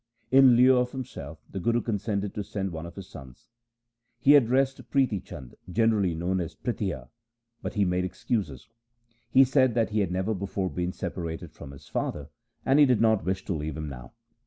In lieu of himself the Guru consented to send one of his sons. He addressed Prithi Chand, generally known as Prithia, but he made excuses. He said that he had never before been separated from his father, and he did not wish to leave him now.